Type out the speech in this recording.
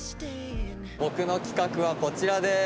僕の企画はこちらです。